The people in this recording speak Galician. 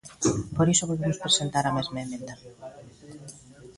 Por iso volvemos presentar a mesma emenda.